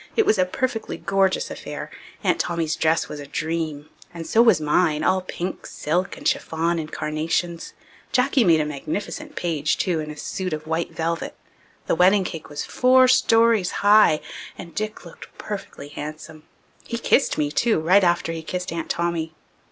It was a perfectly gorgeous affair. Aunt Tommy's dress was a dream and so was mine, all pink silk and chiffon and carnations. Jacky made a magnificent page too, in a suit of white velvet. The wedding cake was four stories high, and Dick looked perfectly handsome. He kissed me too, right after he kissed Aunt Tommy.